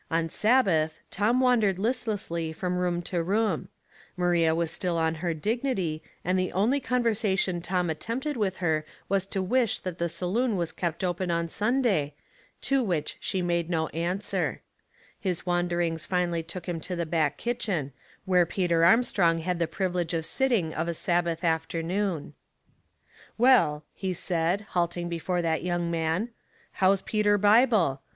On Sabbath, Tom wandered listlessly from room to room. Maria was still on her dignity, and the only con versation Tom attempted with her was to wish that the saloon was kept open on Sunday, to which she njade no answer. His wanderings finally took him to the back kitchen, where Pe ter Armstrong had the privilege of sitting of a Sabbath afternoon. " Well," he said, halting before that young 122 Household Puzzles, man, " how's Peter Bible ?